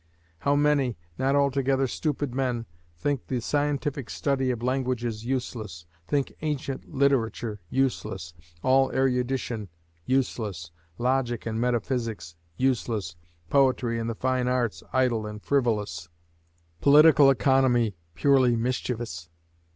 How many, not altogether stupid men, think the scientific study of languages useless, think ancient literature useless, all erudition useless, logic and metaphysics useless, poetry and the fine arts idle and frivolous, political economy purely mischievous?